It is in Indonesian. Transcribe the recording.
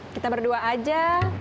kita berdua aja